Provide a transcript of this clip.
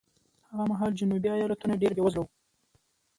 هغه مهال جنوبي ایالتونه ډېر بېوزله وو.